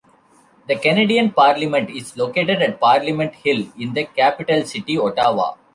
The Canadian Parliament is located at Parliament Hill in the capital city, Ottawa.